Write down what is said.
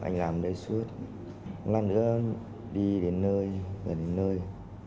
anh làm ở đây suốt một lần nữa đi đến nơi gần đến nơi